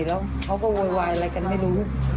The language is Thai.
แล้วเขาก็โวยวายอะไรกันไม่รู้